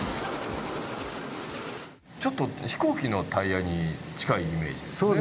ちょっと飛行機のタイヤに近いイメージですね。